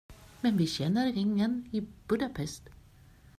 Men vi känner ingen i Budapest.